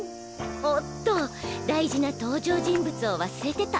おっと大事な登場人物を忘れてた。